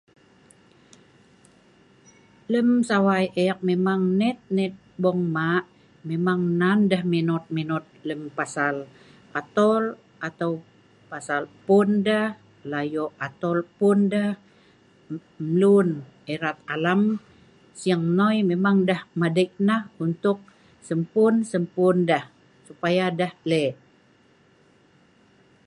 Lem sawaai eek memang net-net lem bong maq memang nan deeh menoot- menoot lem pasal atol atau pasal pun deeh layoq atol pun deeh mluen erat alam sieng nnoi memang deeh madei nah untuk sempuen-sempuen deeh supaya deeh le’